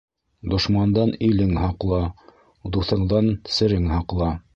Дошмандан илең һаҡла, дуҫыңдан серең һаҡла.